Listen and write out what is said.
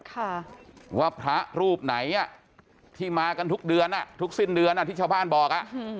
สอบด้วยค่ะว่าพระรูปไหนที่มากันทุกเดือนทุกสิ้นเดือนที่ชาวบ้านบอก